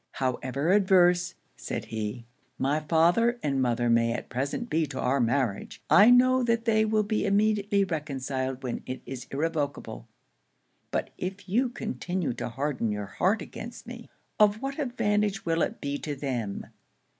'However averse,' said he, 'my father and mother may at present be to our marriage, I know they will be immediately reconciled when it is irrevocable. But if you continue to harden your heart against me, of what advantage will it be to them?